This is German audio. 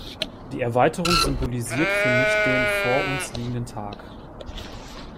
Die Erweiterung symbolisiert für mich den vor uns liegenden Tag.